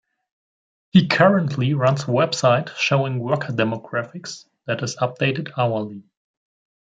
He currently runs a website showing worker demographics that is updated hourly.